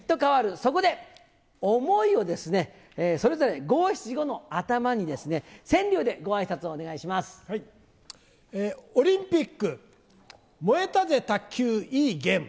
そこで、おもいをそれぞれ五七五の頭に、オリンピック、燃えたぜ卓球、いいゲーム。